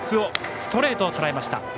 ストレートをとらえました。